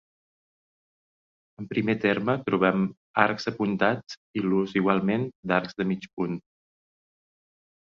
En primer terme trobem arcs apuntats i l'ús, igualment, d'arcs de mig punt.